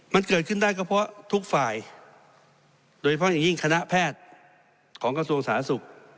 มันเกิดขึ้นได้ก็เพราะทุกฝ่ายโดยเฉพาะอย่างยิ่งคณะแพทย์ของกระทรวงสาธารณสุข